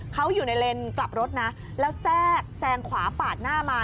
เขาอยู่ในเลนกลับรถนะแล้วแทรกแซงขวาปาดหน้ามา